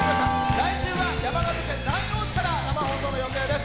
来週は山形県南陽市から生放送の予定です。